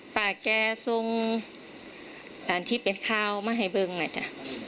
ป่าแก่ทรงหลานที่เป็นข้าวมาให้เบิ่งนะจ๊ะ